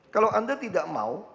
kalau anda tidak mau